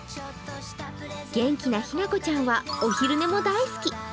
元気なひな子ちゃんはお昼寝も大好き。